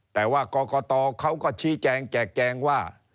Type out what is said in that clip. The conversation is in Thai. แต่ว่ากรกตเขาก็ชี้แจงแจกแจงว่า